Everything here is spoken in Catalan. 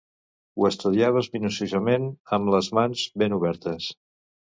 Ho estudiaves minuciosament amb les mans ben obertes.